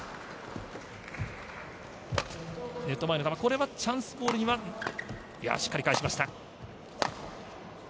ネット前これはチャンスボールにはいや、しっかり返しました。